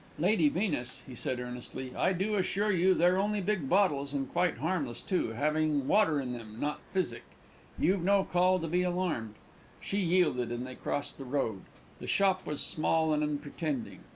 "Lady Venus," he said earnestly, "I do assure you they're only big bottles, and quite harmless too, having water in them, not physic. You've no call to be alarmed." She yielded, and they crossed the road. The shop was small and unpretending.